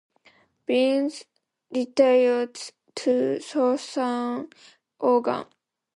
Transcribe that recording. Billings retired to southern Oregon.